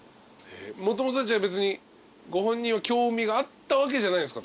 もともとじゃあ別にご本人は興味があったわけじゃない？